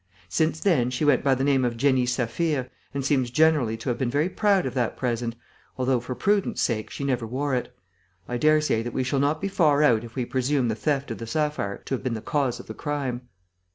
Since then, she went by the name of Jenny Saphir and seems generally to have been very proud of that present, although, for prudence sake, she never wore it. I daresay that we shall not be far out if we presume the theft of the sapphire to have been the cause of the crime."